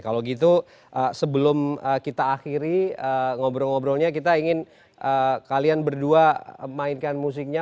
kalau gitu sebelum kita akhiri ngobrol ngobrolnya kita ingin kalian berdua mainkan musiknya